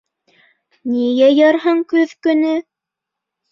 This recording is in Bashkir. Ни йыйырһың көҙ көнө?